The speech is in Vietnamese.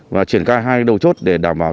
và triển khai hai đầu chốt để đảm bảo